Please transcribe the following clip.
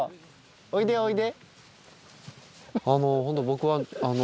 おいでおいで。